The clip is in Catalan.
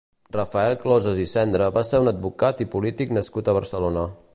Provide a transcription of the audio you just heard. Rafael Closas i Cendra va ser un advocat i polític nascut a Barcelona.